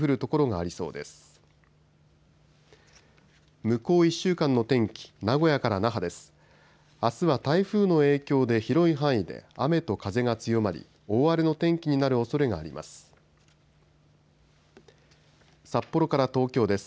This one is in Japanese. あすは台風の影響で広い範囲で雨と風が強まり大荒れの天気になるおそれがあります。